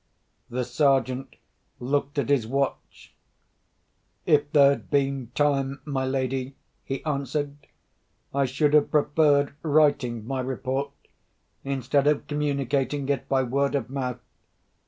The Sergeant looked at his watch. "If there had been time, my lady," he answered, "I should have preferred writing my report, instead of communicating it by word of mouth.